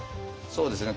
そうですね